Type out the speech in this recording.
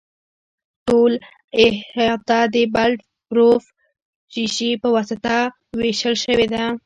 ټوله احاطه د بلټ پروف شیشې په واسطه وېشل شوې ده.